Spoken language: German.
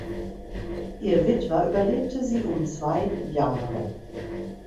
Ihr Witwer überlebte sie um zwei Jahre.